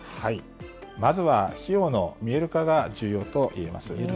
まずは費用の見える化が重要といえます。